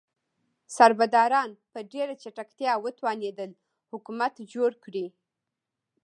سربداران په ډیره چټکتیا وتوانیدل حکومت جوړ کړي.